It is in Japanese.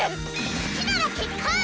好きなら結婚！